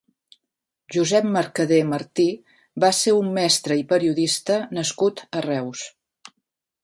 Josep Mercadé Martí va ser un mestre i periodista nascut a Reus.